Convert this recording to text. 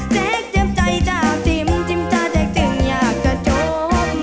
แจ้กเจ็บใจจาบทิ้มจิ้มจาเจ็กจึงอยากจะจบ